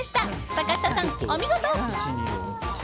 坂下さん、お見事！